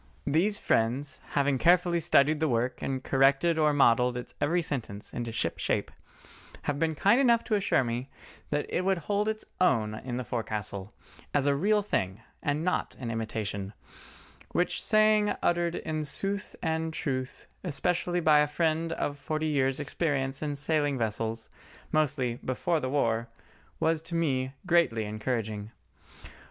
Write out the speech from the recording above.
These friends having carefully studied the work and corrected or modelled its every sentence into ship shape, have been kind enough to assure me that it would hold its own in the forecastle, as a real thing, and not an imitation; which saying uttered in sooth and truth especially by a friend of forty years' experience in sailing vessels, mostly "before the war," was to me greatly encouraging.